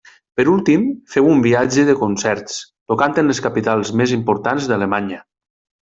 Per últim féu un viatge de concerts, tocant en les capitals més importants d'Alemanya.